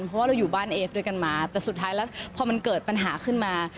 เพราะว่าเราอยู่บ้านเอฟด้วยกันมาแต่สุดท้ายแล้วพอมันเกิดปัญหาขึ้นมา